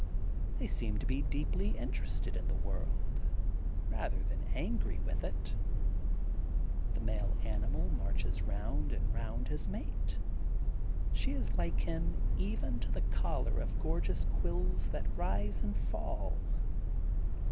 They seem to be deeply interested in the world rather than angry with it. The male animal marches round and round his mate. She is like him even to the collar of gorgeous quills that rise and fall.